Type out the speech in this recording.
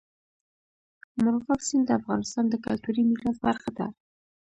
مورغاب سیند د افغانستان د کلتوري میراث برخه ده.